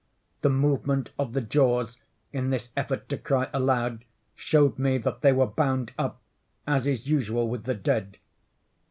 The movement of the jaws, in this effort to cry aloud, showed me that they were bound up, as is usual with the dead.